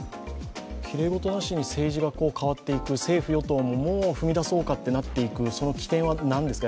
きれい事なしに政治が変わっていく、政府・与党ももう踏み出そうかとなっていく、その機転は何ですか？